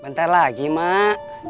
bentar lagi mak